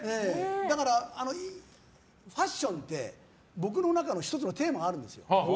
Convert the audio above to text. だから、ファッションって僕の中の１つのテーマがあるんですよ。